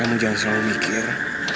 kamu jangan selalu mikir